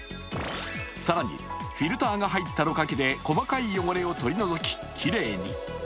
更にフィルターが入ったろ過器で細かい汚れを取り除き、きれいに。